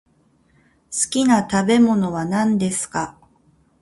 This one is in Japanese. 好きな食べ物は何ですか？